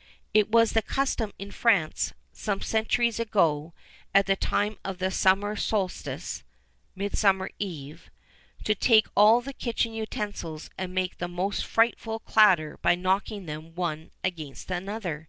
[XIV 30] It was the custom in France, some centuries ago, at the time of the summer solstice (Midsummer eve), to take all the kitchen utensils and make the most frightful clatter by knocking them one against another.